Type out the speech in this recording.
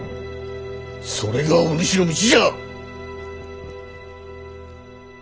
それがお主の道じゃ！